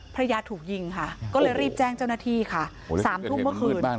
ภรรยาถูกยิงค่ะก็เลยรีบแจ้งเจ้าหน้าที่ค่ะ๓ทุ่มเมื่อคืน